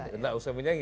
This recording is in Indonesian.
tidak usah menyaingi